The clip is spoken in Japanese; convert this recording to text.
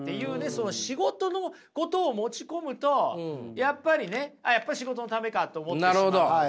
その仕事のことを持ち込むとやっぱりねあっやっぱ仕事のためかと思ってしまうので。